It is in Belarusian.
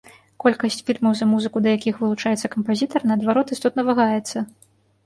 Колькасць фільмаў, за музыку да якіх вылучаецца кампазітар, наадварот істотна вагаецца.